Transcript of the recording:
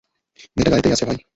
মেয়েটা গাড়িতেই আছে, ভাই।